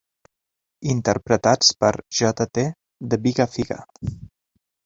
Interpretats per Jt The Bigga Figga.